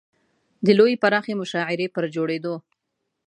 د لویې پراخې مشاعرې پر جوړېدو.